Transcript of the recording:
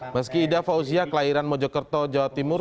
meski ida fauzia kelahiran mojokerto jawa timur